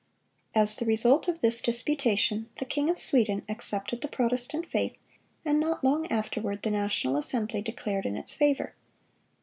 (360) As the result of this disputation, the king of Sweden accepted the Protestant faith, and not long afterward the national assembly declared in its favor.